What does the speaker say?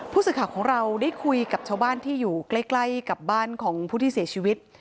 ผู้สื่อข่าวของเราได้คุยกับชาวบ้านที่อยู่ใกล้กับบ้านของผู้ที่เสียชีวิต